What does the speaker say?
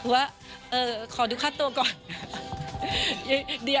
ว่าขอดูค่าตัวก่อน